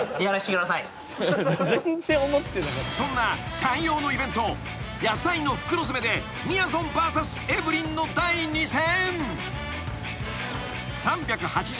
［そんなさんようのイベント野菜の袋詰めでみやぞんＶＳエブリンの第２戦］